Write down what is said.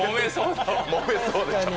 もめそうだよね。